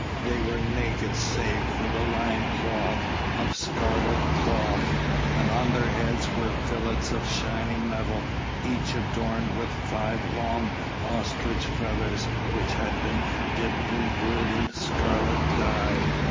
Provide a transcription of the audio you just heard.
They were naked save for a loin cloth of scarlet cloth, and on their heads were fillets of shining metal, each adorned with five long ostrich feathers which had been dipped in brilliant scarlet dye.